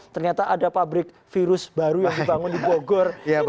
ternyata ada pabrik virus baru yang dibangun di bogor